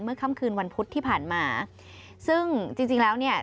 เมื่อค่ำคืนวันพุธที่ผ่านมาซึ่งจริงแล้วเนี่ย